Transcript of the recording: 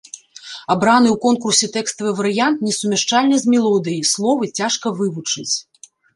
Абраны ў конкурсе тэкставы варыянт несумяшчальны з мелодыяй, словы цяжка вывучыць.